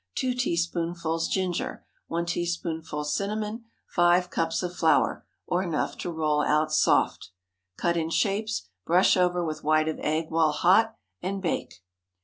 2 teaspoonfuls ginger. 1 teaspoonful cinnamon. 5 cups of flour, or enough to roll out soft. Cut in shapes, brush over with white of egg while hot, and bake.